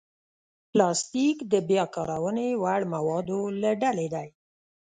پلاستيک د بیا کارونې وړ موادو له ډلې دی.